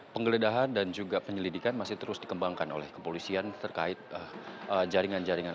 penggeledahan dan juga penyelidikan masih terus dikembangkan oleh kepolisian terkait jaringan jaringan